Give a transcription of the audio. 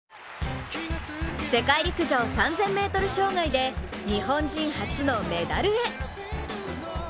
世界陸上３０００ｍ障害で日本人初のメダルへ。